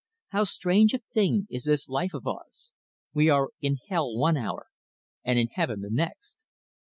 How strange a thing is this life of ours! We are in hell one hour, and in heaven the next.